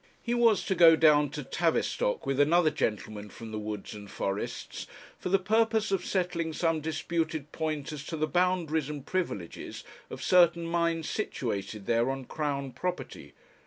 He was to go down to Tavistock with another gentleman from the Woods and Forests, for the purpose of settling some disputed point as to the boundaries and privileges of certain mines situated there on Crown property.